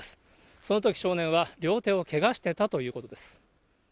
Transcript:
そのとき少年は、両手をけがしていたということです。